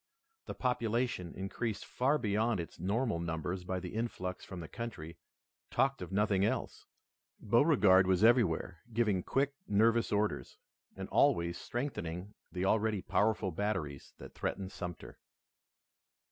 The population, increased far beyond its normal numbers by the influx from the country, talked of nothing else. Beauregard was everywhere giving quick, nervous orders, and always strengthening the already powerful batteries that threatened Sumter.